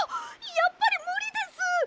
やっぱりむりです！